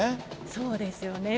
そうですよね。